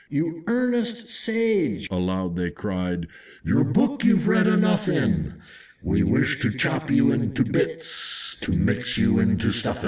"You earnest Sage!" aloud they cried, "your book you've read enough in! We wish to chop you into bits to mix you into Stuffin'!"